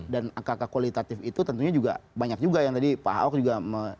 dan angka angka kualitatif itu tentunya juga banyak juga yang tadi pak ahok juga